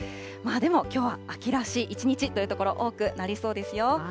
でもきょうは秋らしい一日という所、多くなりそうですよ。